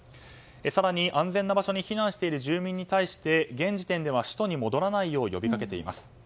更に安全な場所に避難している住民に対して現時点では首都に戻らないよう呼びかけています。